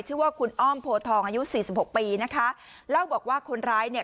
ชื่อว่าคุณอ้อมโพทองอายุสี่สิบหกปีนะคะเล่าบอกว่าคนร้ายเนี่ย